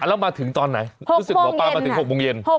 แล้วมาถึงตอนไหนรู้สึกหมอปลามาถึง๖โมงเย็น